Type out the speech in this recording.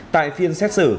tại phiên xét xử